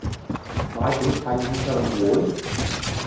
買碟睇演唱會？